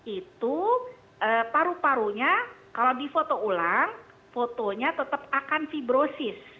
itu paru parunya kalau di foto ulang fotonya tetap akan fibrosis